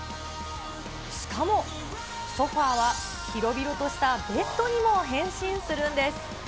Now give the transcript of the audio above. しかもソファは広々としたベッドにも変身するんです。